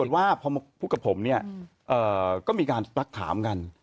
ว่าพอมาพูดกับผมเนี่ยก็มีการทักถามกัน